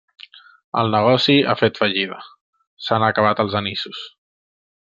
El negoci ha fet fallida. S'han acabat els anissos!